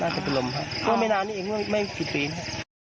เวลาไม่นานนี่เองไม่กี่ปีนะ